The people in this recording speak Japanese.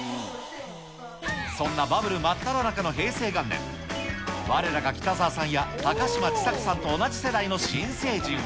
そんなバブル真っただ中の平成元年、われらが北澤さんや高嶋ちさ子さんと同じ世代の新成人は。